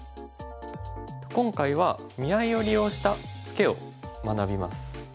今回は見合いを利用したツケを学びます。